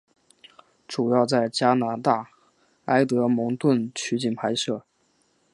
主要在加拿大埃德蒙顿取景拍摄。